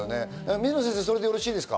水野先生、それでよろしいですか？